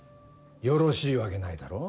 よろしいわけないだろ。